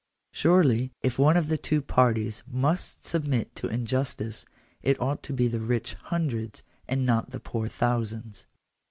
Surely, if one of the two parties must submit to injustice, it ought to be the rich hundreds, and not the poor thousands.